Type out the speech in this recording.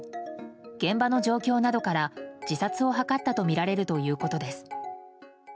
現場の状況などから自殺を図ったとみられるということです。